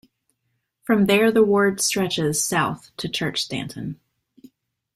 From there the ward stretches south to Churchstanton.